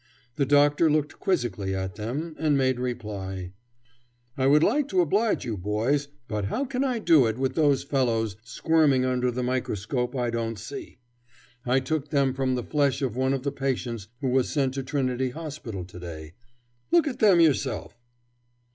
The doctor looked quizzically at them and made reply: "I would like to oblige you, boys, but how I can do it with those fellows squirming under the microscope I don't see. I took them from the flesh of one of the patients who was sent to Trinity Hospital to day. Look at them yourself."